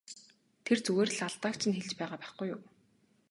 Тэр зүгээр л алдааг чинь хэлж байгаа байхгүй юу!